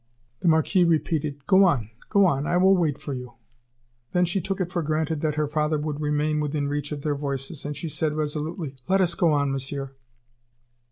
The Marquis repeated: "Go on! Go on! I will wait for you." Then she took it for granted that her father would remain within reach of their voices, and she said resolutely: "Let us go on, Monsieur."